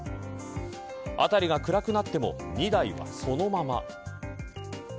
辺りが暗くなっても２台はそのまま。